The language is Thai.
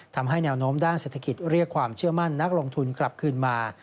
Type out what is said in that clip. ทำให้แนวโน้มด้านเศรษฐกิจเรียกความเชื่อมั่นนักลงทุนกลับคืนมา